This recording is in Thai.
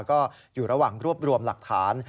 ก็อยู่ระหว่างรวบรวมหลักฐาน